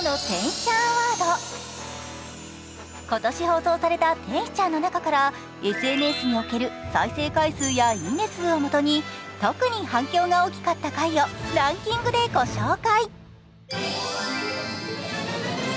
今年放送された「天使ちゃん」の中からＳＮＳにおける再生回数やいいね数をもとに特に反響が大きかった回をランキングでご紹介。